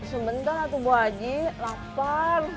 sebentar lah tuh bu boji lapan